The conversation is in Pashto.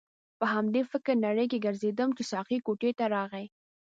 په همدې فکرې نړۍ کې ګرځیدم چې ساقي کوټې ته راغی.